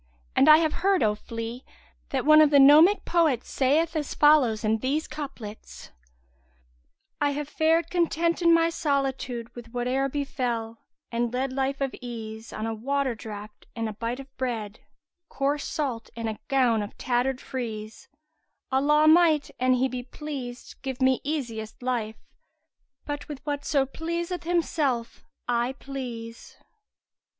And I have heard, O flea, that one of the gnomic poets saith as follows in these couplets, I have fared content in my solitude * With wate'er befel, and led life of ease, On a water draught and a bite of bread, * Coarse salt and a gown of tattered frieze: Allah might, an He pleased, give me easiest life, * But with whatso pleaseth Him self I please.'"